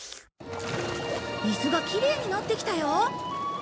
水がきれいになってきたよ。